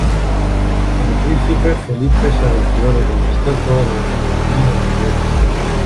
Como príncipe Felipe se aventuró a reconquistar toda la Lacedemonia de los griegos.